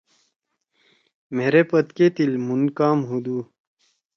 ”مھیرے پدکے تیِل، مُھن کام ہُودُو۔“